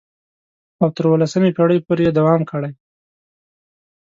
او تر اوولسمې پېړۍ پورې یې دوام کړی.